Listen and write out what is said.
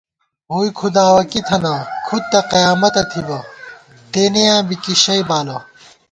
ووئی کھُداوَہ کی تھنہ کھُد تہ قیامَتہ تھِبہ ، تېنېیاں بی کی شئ بالہ